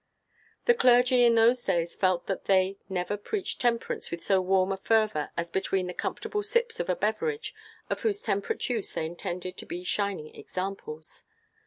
The clergy in those days felt that they never preached temperance with so warm a fervor as between the comfortable sips of a beverage of whose temperate use they intended to be shining examples.